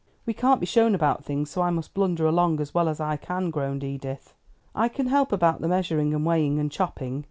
We can't be shown about things, so I must blunder along as well as I can," groaned Edith. "I can help about the measuring and weighing, and chopping.